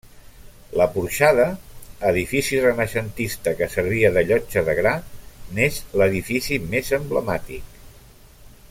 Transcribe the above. La Porxada, edifici renaixentista que servia de llotja de gra, n'és l'edifici més emblemàtic.